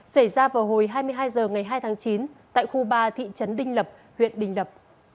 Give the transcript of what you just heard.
xảy ra vào hồi hai mươi hai h ngày hai tháng chín tại khu ba thị trấn đinh lập huyện đình lập